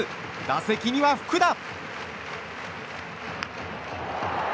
打席には福田。